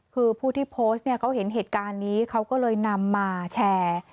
คือผู้ที่โพสต์เนี่ยเขาเห็นเหตุการณ์นี้เขาก็เลยนำมาแชร์